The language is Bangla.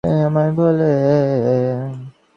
তিনি আইনসম্মত পন্থায় বন্ধ করার চেষ্টা করেন।